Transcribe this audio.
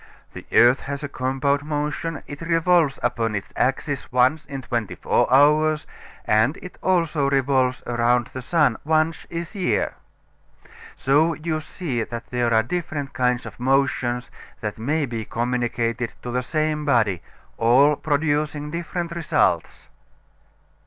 The earth has a compound motion. It revolves upon its axis once in twenty four hours, and it also revolves around the sun once each year. So you see that there are different kinds of motion that may be communicated to the same body all producing different results.